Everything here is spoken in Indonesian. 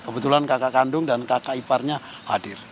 kebetulan kakak kandung dan kakak iparnya hadir